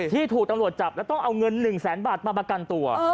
ที่ถูกตำรวจจับแล้วต้องเอาเงิน๑แสนบาทมาประกันตัว